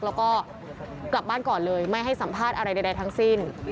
แล้วก็กลับบ้านก่อนเลยไม่ให้สัมภาษณ์อะไรใดทั้งสิ้น